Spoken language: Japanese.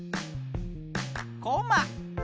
こま。